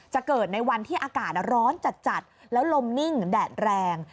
จะเกิดในวันที่อากาศร้อนจัดแล้วลมนิ่งแดดแรง